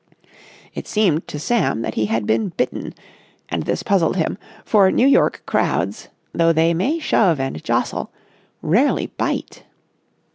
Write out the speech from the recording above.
It seemed to Sam that he had been bitten, and this puzzled him, for New York crowds, though they may shove and jostle, rarely bite.